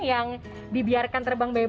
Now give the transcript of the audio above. yang dibiarkan untuk menjaga keamanan